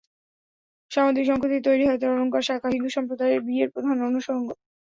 সামুদ্রিক শঙ্খ দিয়ে তৈরি হাতের অলংকার শাঁখা হিন্দু সম্প্রদায়ের বিয়ের প্রধান অনুষঙ্গ।